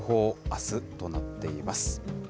あすとなっています。